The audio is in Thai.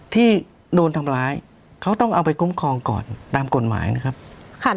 ที่โดนทำร้ายเขาต้องเอาไปคุ้มครองก่อนตามกฎหมายนะครับค่ะ